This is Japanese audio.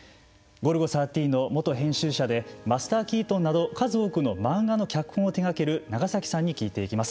「ゴルゴ１３」の元編集者で「ＭＡＳＴＥＲキートン」など数多くの漫画の脚本を手がける長崎さんに聞いていきます。